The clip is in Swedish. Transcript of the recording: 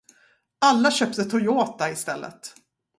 Alla köpte Toyota istället.